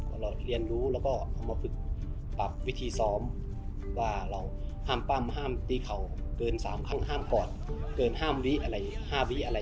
เราเรียนรู้แล้วก็เอามาฝึกปรับวิธีซ้อมว่าเราห้ามปั้มห้ามตีเข่าเกิน๓ครั้งห้ามกอดเกินห้ามวิอะไร๕วิอะไร